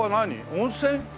温泉？